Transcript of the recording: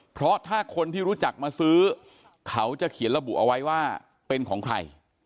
เพราะถ้าคนที่รู้จักมาซื้อเขาจะเขียนระบุเอาไว้ว่าเป็นของใคร